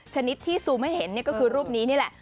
ชนิดที่ซูมให้เห็นก็คือรูปนี้นี่แหละ